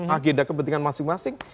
agenda kepentingan masing masing